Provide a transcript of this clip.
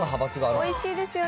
おいしいよ。